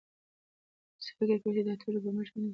تاسو فکر کوئ چې دا ټول به موږ ونیسو؟